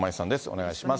お願いします。